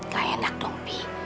gak enak dong pi